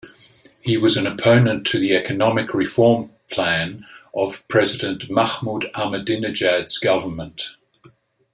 He was an opponent to the Economic reform plan of President Mahmoud Ahmadinejad's Government.